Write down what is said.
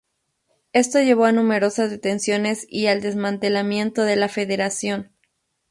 Esto llevó a numerosas detenciones y al desmantelamiento de la Federación.